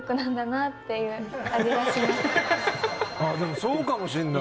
でもそうかもしんない。